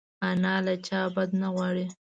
انا له چا بد نه غواړي